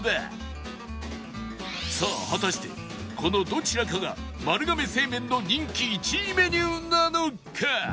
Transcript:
さあ果たしてこのどちらかが丸亀製麺の人気１位メニューなのか？